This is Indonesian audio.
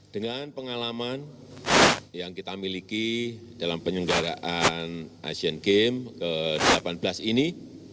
dengan pengalaman yang kita miliki dalam penyelenggaraan asian games ke delapan belas ini